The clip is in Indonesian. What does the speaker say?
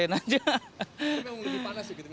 tapi emang lebih panas gitu